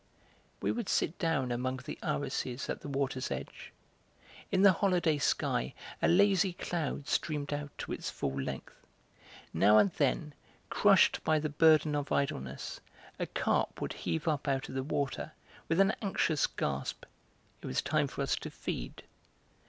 We would sit down among the irises at the water's edge. In the holiday sky a lazy cloud streamed out to its full length. Now and then, crushed by the burden of idleness, a carp would heave up out of the water, with an anxious gasp. It was time for us to feed.